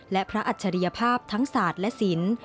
และพระอัจฉริยภาพทั้งศาสตร์และศิลป์